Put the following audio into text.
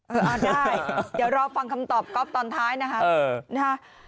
อ่าได้เดี๋ยวรอฟังคำตอบก๊อฟตอนท้ายนะฮะ